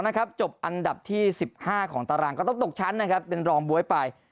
จบอันดับที่๑๕ของตารางก็ต้องตกชั้นนะครับเป็นรองบ๊วยไป